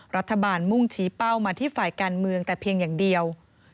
มุ่งชี้เป้ามาที่ฝ่ายการเมืองแต่เพียงอย่างเดียว